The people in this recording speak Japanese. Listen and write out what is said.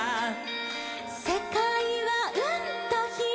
「せかいはうんとひろいんだ」